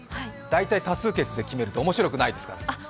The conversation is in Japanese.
大体多数決で決めると面白くないですから。